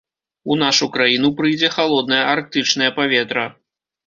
У нашу краіну прыйдзе халоднае арктычнае паветра.